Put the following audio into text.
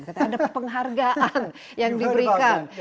katanya ada penghargaan yang diberikan